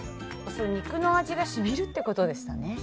肉の味が染みるってことでしたね。